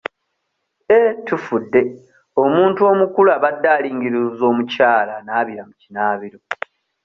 Eh tufudde! Omuntu omukulu abadde alingiza omukyala anaabira mu kinaabiro.